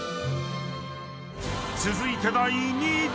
［続いて第２位］